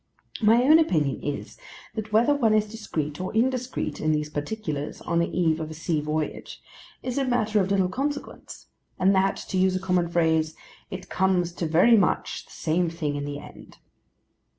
My own opinion is, that whether one is discreet or indiscreet in these particulars, on the eve of a sea voyage, is a matter of little consequence; and that, to use a common phrase, 'it comes to very much the same thing in the end.